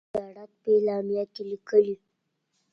وزارت په اعلامیه کې لیکلی،